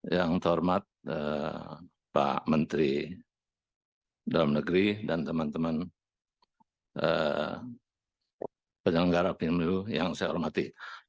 yang terhormat pak menteri dalam negeri dan teman teman penyelenggara pemilu yang saya hormati